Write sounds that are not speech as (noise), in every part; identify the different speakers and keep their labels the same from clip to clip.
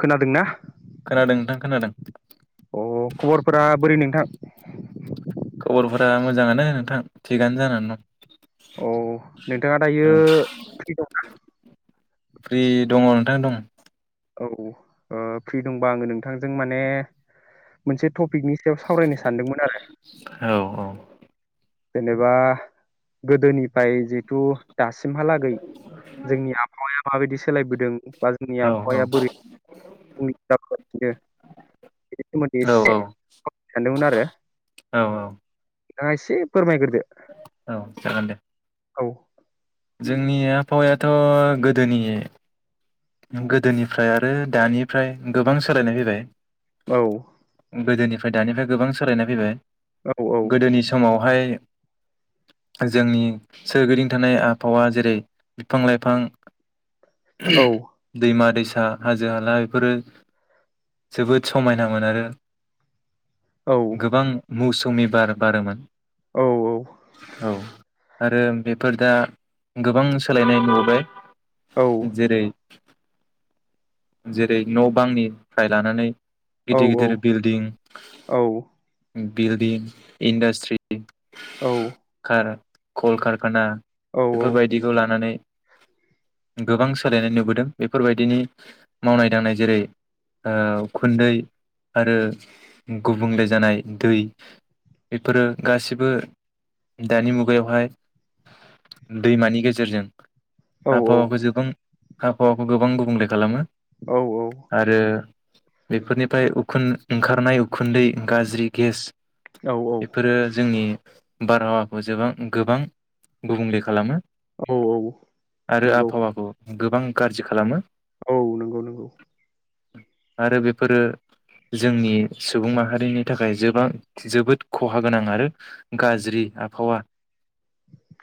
Speaker 1: खोनादोंना
Speaker 2: खोनादों नोंथां खोनादों
Speaker 1: अ खबरफोरा बोरै नोंथां।
Speaker 2: फोरा मोजाङानो नोंथां थिगआनो जानानै दं।
Speaker 1: अ नोंथाङा दायो
Speaker 2: औ
Speaker 1: फ्रि दंना?
Speaker 2: दा दं
Speaker 1: औ फ्रि दंबा आङो नोंथांजों माने मोनसे। टपिकनि सायाव सावरायनो सानदोंमोन आरो।
Speaker 2: औ
Speaker 1: जेनेबा गोदोनि ओमफ्राय जिहेथु दासिमहालागै जोंनि आबहावाया माबायदि सोलायबोदों बा जोंनि
Speaker 2: औ औ
Speaker 1: आबहावाया बोरै (unintelligible) बेनि सोमोन्दै
Speaker 2: औ
Speaker 1: एसे सानदोंमोन आरो
Speaker 2: औ
Speaker 1: नोंथाङा एसे फोरमायग्रो
Speaker 2: औ जागोन दे।
Speaker 1: औ।
Speaker 2: जोंनि आबहावायाथ' गोदोनि गोदोनिफ्राय आरो दानिफ्राय गोबां सोलायनाय फैबाय।
Speaker 1: औ।
Speaker 2: गोदोनिफ्राय दानिफ्राय गोबां सोलायनाय फैबाय।
Speaker 1: औ
Speaker 2: गोदोनि समाव बेवहाय जोंनि। सोरगिदिं थानाय आब हावा जेरै बिफां लाइफां।
Speaker 1: औ
Speaker 2: (unintelligible) दैमा दैसा हाजो हाला बेफोरो जोबोद समायनामोन आरो
Speaker 1: औ
Speaker 2: गोबां मौसुमि बार बारोमोन।
Speaker 1: औ
Speaker 2: औ आरो बेफोर दा गोबां सोलायनाय नुबोबाय।
Speaker 1: औ
Speaker 2: जेरै जेरै न' बांनिफ्राय लानानै।
Speaker 1: औ
Speaker 2: गिदिर गिदिर बिल्डिं।
Speaker 1: औ
Speaker 2: बिल्डिं इन्डास्ट्रि।
Speaker 1: औ
Speaker 2: कलकारखाना
Speaker 1: औ
Speaker 2: बेफोरबायदिखौ लानानै गोबां सोलायनाय नुब दों बेफोरबायदिनो मावनाय दांनाय जेरै ओ उखुन्दै आरो गुबुंले जानाय दै बेफोरो गासिबो दानि मुगायावहाय दैमानि गेजेरजों
Speaker 1: औ औ
Speaker 2: आबहावाखौ जोबां आबहावाखौ गोबां गुबुंले खालामो
Speaker 1: औ
Speaker 2: आरो बेफोरनिफ्राय उखुन ओंखारनाय उखुन्दै गाज्रि गेस
Speaker 1: औ
Speaker 2: बेफोरो जोंनि बारहावाखौ जोबां गोबां गुबुंले खालामो
Speaker 1: औ औ
Speaker 2: आरो
Speaker 1: नंगौ
Speaker 2: आबहावाखौ गोबां गाज्रि खालामो
Speaker 1: औ नंगौ नंगौ
Speaker 2: आरो बेफोरो जोंनि सुबुं माहारिनि थाखाय जोबां जोबोद खहा गोनां आरो गाज्रि आबहावा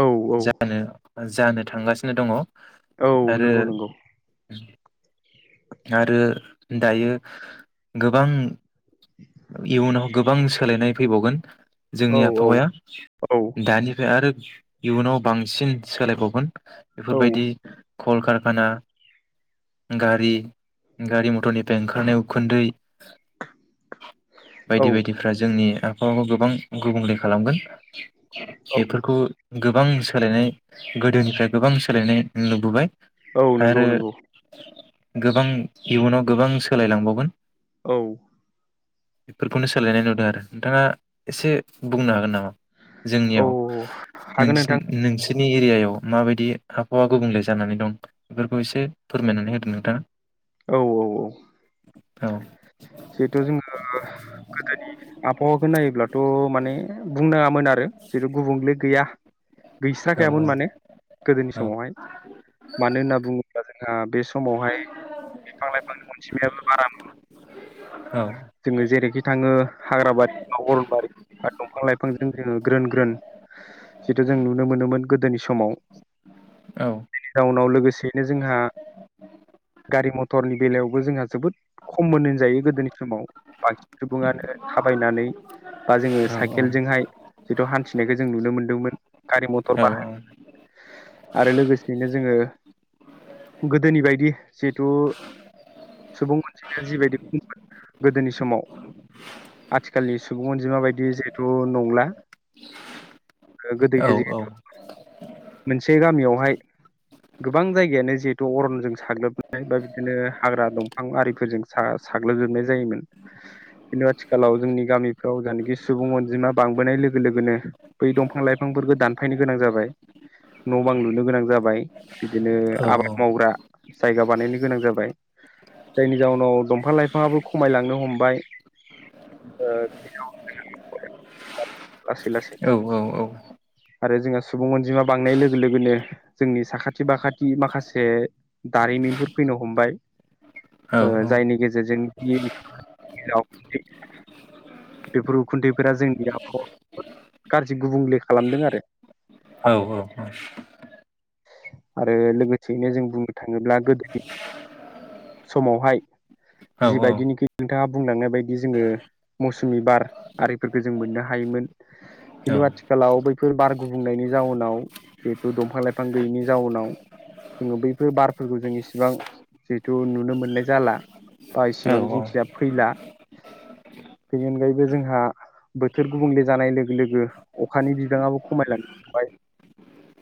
Speaker 1: औ औ
Speaker 2: जानो जानो थांगासिनो दङ
Speaker 1: औ
Speaker 2: आरो
Speaker 1: नंगौ नंगौ
Speaker 2: आरो दायो गोबां इयुनाव गोबां सोलायनाय फैबावगोन
Speaker 1: औ
Speaker 2: जोंनि आबहावाया
Speaker 1: औ
Speaker 2: दानिफ्राय आरो इयुनाव बांसिन सोलायबावगोन
Speaker 1: औ
Speaker 2: बेफोरबायदि कलकारखाना गारि गारि-मथरनिफ्राय ओंखारनाय उखुदै
Speaker 1: औ
Speaker 2: बायदि बायदिफ्रा जोंनि आबहावाखौ गोबां गुबुंले खालामगोन बेफोरखौ गोबां सोलायनाय गोदोनिफ्राय गोबां सोलायनाय नुबोबाय
Speaker 1: औ नंगौ
Speaker 2: आरो
Speaker 1: नंगौ।
Speaker 2: गोबां इयुनाव गोबां सोलायलांबावगोन
Speaker 1: औ
Speaker 2: बेफोरखौनो सोलायनाय नुदों आरो नोंथाङा एसे बुंनो हागोन नामा
Speaker 1: औ
Speaker 2: जोंनियाव
Speaker 1: हागोन
Speaker 2: नोंसिन
Speaker 1: नोंथां
Speaker 2: नोंसि नि एरियायाव माबायदि आबहावा गुबुंले जानानै दं बेफोरखौ एसे फोरमायनानै होदो नोंथाङा
Speaker 1: औ औ औ
Speaker 2: औ
Speaker 1: जिहेथु जोङो गोदोनि आबहावाखौ नायोब्लाथ' माने बुंनाङामोन आरो जिहेथु गुबुंले गैया
Speaker 2: औ
Speaker 1: गैस्राखायामोन माने
Speaker 2: हागोन
Speaker 1: गोदोनि समावहाय मानो होनना बुङोब्ला जों आ बे समावहाय बिफां-लाइफांनि अनजिमायाबो बारामोन। जोङो जेरैखि थाङो हाग्राबारि बा अरनबारि आरो दंफां लाइफांजों जोङो ग्रोन ग्रोन जिथु जों नुनो मोनोमोन गोदोनि समाव बेनि जाउनाव लोगोसेयैनो जोंहा हरनि बेलायावबो जोंहा जोबोद खममोन होन जायो गोदोनि समाव बाखि सुबुङानो थाबायनानै बा जोङो साइकेलजोंहाय जिथु हान्थि बेखो जों नुनो मोन्दोंमोन। गारि मथर बाहा आरो लोगोसेयैनो जोङो गोदोनि बायदि जिहेथु सुबुं अनजिमाया जिबायदि खममोन गोदोनि समाव आथिखालनि सुबुं अनजिमा बायदि जिहेथु नंला। गोदोयो जिहेतु मोनसे गामियावहाय गोबां जायगायानो जिहेथु अरनजों साग्लोबनाय बा बिदिनो हाग्रा दंफां आरिफोरजों सा-साग्लोबजोबनाय जायोमोन खिन्थु आथिखालाव जोंनि गामिफ्राव जानोखि सुबुं अनजिमा बांबोनाय लोगो लोगोनो बै दंफां लाइफांफोरखौ दानफायनो गोनां जाबाय। न' बां लुनो गोनां जाबाय। बिदिनो आबाद मावग्रा जायगा बानायनो गोनां जाबाय जायनि जाउनाव दंफां लाइफाङाबो खमायलांनो हमबाय। ओ (unintelligible) लासै लासै। आरो जोंहा सुबुं अनजिमा बांनाय लोगो लोगोनो जोंनि साखाथि बाखाथि माखासे दारिमिनफोर फैनो हमबाय ओ जायनि गेजेरजों (unintelligible) बेफोर उखुन्थैफोरा जोंनि आबहावाखो गाज्रि गुबुंले खालामदों आरो आबहावा आरो लोगोसेयैनो जों बुंनो थाङोब्ला गोदोनि समावहाय जिबायदिनिखि नोंथाङा बुंलांनाय बायदि जोङो मौसुमि बार आरिफोरखो जों मोननो हायोमोन खिन्थु आथिखा आथिखालाव बैफोर बार गुबुंनायनि जाउनाव जिहेथु दंफां लाइफां गैयैनि जाउनाव जोङो बैफोर बारफोरखौ जों इसेबां जिहेथु नुनो मोननाय जाला बा इसेबां जिंनिखिजा फैला बेनि अनगायैबो जोंहा बोथोर गुबुंले जानाय लोगो लोगो अखानि बिबाङाबो खमायलांनो हमबाय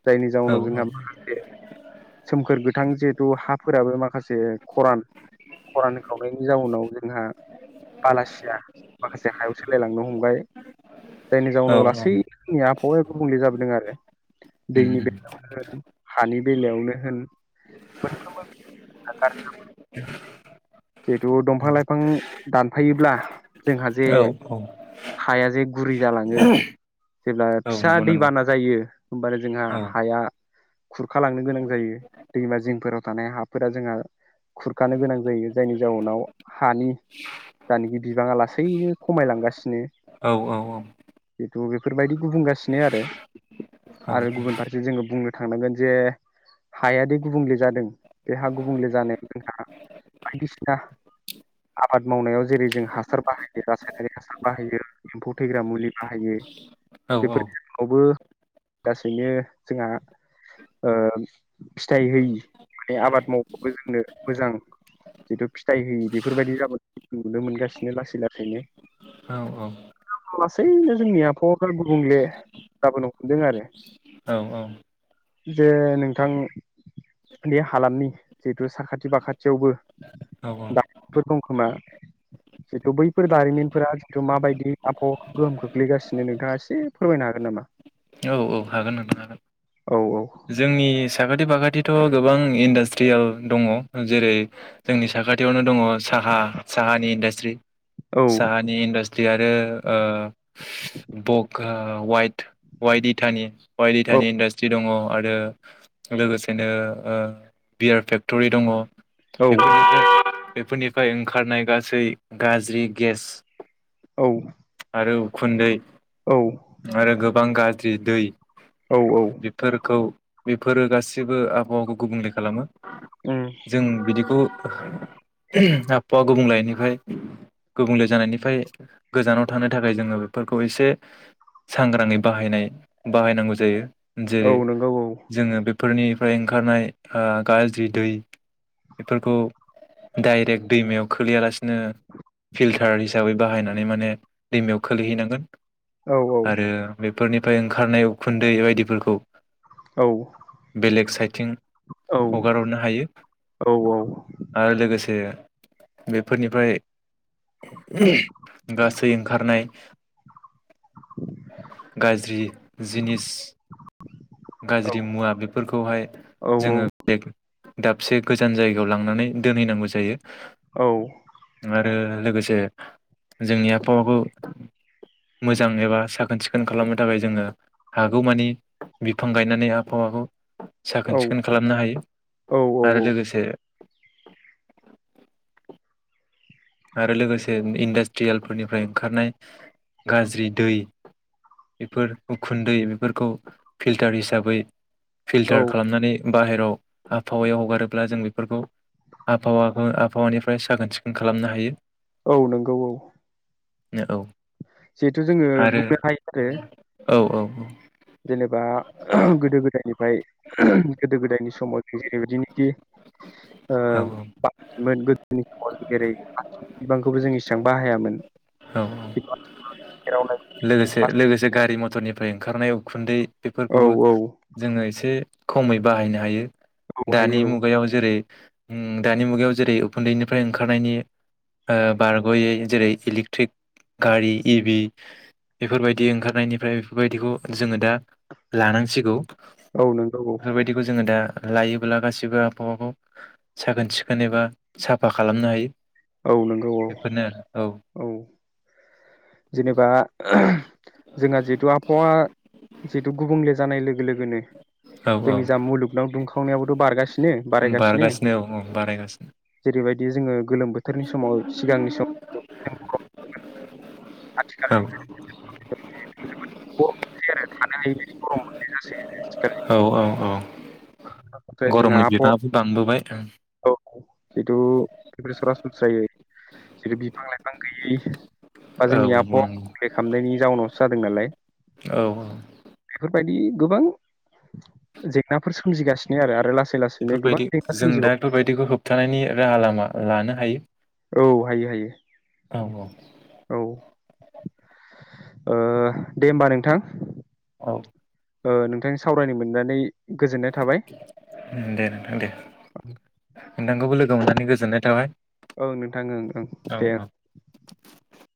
Speaker 1: जायनि जाउनाव जोंहा माखासे सोमखोर गोथां जिहेथु हाफोराबो माखासे खरान खरान होखावनायनि जाउनाव जोंहा बालासिया माखासे हायाव सोलायलांनो हमबाय जायनि जाउनाव लासै जोंनि आबहावाया गुबुंले जाबोदों आरो दैनि बेलायावनो होन हानि बेलायावनो होन मोनफ्रोमबो (unintelligible) जिहेथु दंफां लाइफां दानफायोब्ला जोंहा जे हाया जे गुरै जालाङो जेब्ला फिसा दैबाना जायो होमबानो जोंहा
Speaker 2: नोंथां
Speaker 1: हाया खुरखालांनो गोनां जायो दैमा जिंफोराव थानाय हाफोरा जोंहा खुरखानो गोनां जायो जायनि जाउनाव हानि जानोखि बिबाङा लासैनो खमायलांगासिनो। थ' बेफोरबायदि गुबुंगासिनो आरो आरो गुबुन फारसे जोङो बुंनो थांनांगोन जे हायादे गुबुंले जादों बे हा गुबुंले जानाय बेफोरावबो लासैनो जोंहा ओ फिथाइ होयि माने आबाद मावबाबो जोंनो मोजां जिथु फिथाइ होयि बेफोरबायदि आाबाद नुनो मोनगासिनो लासै लासैनो। लासैनो जोंनिया (unintelligible) गुबुंले जाबोनो हमदों आरो जे नोंथां बे हालामनि जिहेथु साखाथि बाखाथियावबो दारिमिनफोर दं खोमा जिथु बैफोर दारिमिनफोरा जिथु माबायदि आबहावा गोहोम खोख्लैगासिनो? नोंथाङा एसे फोरमायनो हागोन नामा?
Speaker 2: हागोन
Speaker 1: औ औ
Speaker 2: जोंनि साखाथि फाखाथिथ' गोबां इन्डास्ट्रियेल दङ जेरै जोंनि साखाथियावनो दङ साहा साहानि इन्डास्ट्रि।
Speaker 1: औ
Speaker 2: साहानि इन्डास्ट जे आरो ओ बगा ओ वाइट वाइट इथानि। वाइट इटानि इन्डास्ट्रि दङ'। आरो लोगोसेनो ओ बियार फेक्टरि दङ'।
Speaker 1: औ
Speaker 2: बेफोरनिफ्राय बेफोरनिफ्राय ओंखारनाय गासै गाज्रि गेस
Speaker 1: औ
Speaker 2: आरो उखुन्दै
Speaker 1: औ
Speaker 2: आरो गोबां गाज जि दै
Speaker 1: औ
Speaker 2: बेफोरखौ बेफोरो गासिबो आबहावाखौ गुबुंले खालामो।
Speaker 1: उम
Speaker 2: जों बिदिखौ आबहावा गुबुंलेनिफ्राय गुबुंले जानायनिफ्राय गोजानाव थानो थाखाय जोङो बेफोरखौ एसे सांग्राङै बाहायनाय बाहायनांगौ जायो।
Speaker 1: औ
Speaker 2: जेरै
Speaker 1: नंगौ
Speaker 2: जोङो बे फोरनिफ्राय ओंखारनाय ओ गाज्रि दै बेफोरखौ डाइरेक्ट दैमायाव खोलैयालासिनो फिल्टार हिसाबै बाहायनानै माने दैमायाव खोलैहैनांगोन।
Speaker 1: औ औ
Speaker 2: आरो बे फोरनिफ्राय ओंखारनाय उखुन्दै बायदिफोरखौ
Speaker 1: औ
Speaker 2: बेलेग साइडथिं
Speaker 1: औ
Speaker 2: हगार हरनो हायो
Speaker 1: औ
Speaker 2: आरो लोगोसे बेफोरनिफ्राय (inaudible) गासै खारनाय गाज्रि जिनिस गाज्रि मुवा बेफोरखौहाय जोङो बेग दाबसे गोजान जायगायाव लांनानै दोनहैनांगौ जायो।
Speaker 1: औ
Speaker 2: आरो लोगोसे जोंनि आबहावाखौ मोजां एबा साखोन सिखोन खालामनो थाखाय जोङो हागौमानि बिफां गायनानै आबहावाखौ साखोन सिखोन खालामनो हायो
Speaker 1: औ
Speaker 2: आरो लोगोसे (inaudible) आरो लोगोसे इन्डास्ट्रियेलफोरनिफ्राय ओंखारनाय गाज्रि दै बेफोर उखुन्दै बेफोरखौ फिल्टार हिसाबै
Speaker 1: औ
Speaker 2: फिल्टार खालामनानै बाहेराव आबहावायाव हगारोब्ला जों बेफोरखौ आबहावा (unintelligible) आबहावानिफ्राय साखोन सिखोन खा खालामनो हायो।
Speaker 1: औ नंगौ औ।
Speaker 2: न औ
Speaker 1: जिहेथु जोङो
Speaker 2: आरो
Speaker 1: बुंनो हायो आरो
Speaker 2: औ औ औ
Speaker 1: जेनेबा गोदो गोदायनिफ्राय गोदो गोद गोदोनि समाव जों जेरैबायदिनोखि ओ
Speaker 2: औ
Speaker 1: बाखिमोन गोदोनि समाव जेरै बिबांखौबो जों इसेबां बाहायामोन।
Speaker 2: औ ओमफ्राय ओंखारनाय उखुन्दै
Speaker 1: औ
Speaker 2: बेफोरखौबो जोङो एसे खमै बाहायनो हायो।
Speaker 1: औ
Speaker 2: दानि
Speaker 1: हायो
Speaker 2: मुगायाव जेरै दानि मुगायाव जेरै उखुन्दैनिफ्राय ओंखारनायनि बारग'यै जेरै इलेक्ट्रिक गारि एभि बेफोरबायदि ओंखारनायनिफ्राय बेफोरबायदिखौ जोङो दा लानांसिगौ।
Speaker 1: औ नोंगौ औ।
Speaker 2: बेफोरबायदिखौ जोङो दा लायोब्ला गासिबो आबहावाखौ साखोन सिखोन एबा साफा खालामनो हायो।
Speaker 1: औ नंगौ औ
Speaker 2: बेफोरनो आरो
Speaker 1: औ जेनेबा जोंहा जिहेतु आबहावा जितु गुबुंले जानाय लोगो (unintelligible)
Speaker 2: औ
Speaker 1: जोंनि जा मुलुगनाव दुंखावनायबोथ' बारगासिनो
Speaker 2: औ
Speaker 1: बारायगासिनो
Speaker 2: बारगासिनो औ औ बारायगासिनो
Speaker 1: जेरैबाय बेयो जोङो गोलोम बोथोरनि समाव सिगांनि सम
Speaker 2: औ
Speaker 1: आथिखालनि गरम मोनलै आरो थानो हबायदि गरम मोननाय जासो
Speaker 2: औ औ औ
Speaker 1: ओमफ्राय
Speaker 2: गरमनि बिबाङाबो बांबोबाय।
Speaker 1: जिहेथु सरासनस्रायै जेरै बिफां लाइफां गैयै बा
Speaker 2: औ
Speaker 1: जोंनि
Speaker 2: नंगौ
Speaker 1: आबहावा
Speaker 2: नंगौ
Speaker 1: गुबुंले खालामनायनि जाउनावसो जादों नालाय
Speaker 2: औ औ
Speaker 1: बेफोरबायदि। गोबां जेंनाफोर सोमजिगासिनो आरो आरो ला
Speaker 2: बेफोरबायदि जों दा बेफोरबायदिखौ होबथानायनि राहा लामा लानो हायो।
Speaker 1: औ हायो हायो।
Speaker 2: औ औ
Speaker 1: औ ओ दे होमबा नोंथां।
Speaker 2: औ ।
Speaker 1: ओ नोंथांनि सावरायनो मोननानै गोजोननाय थाबाय
Speaker 2: दे नोंथां दे नोंथांखौबो लोगो मोननानै गोजोननाय थाबाय
Speaker 1: औ नोंथां ओं ओं
Speaker 2: औ
Speaker 1: दे ओं।
Speaker 2: औ ।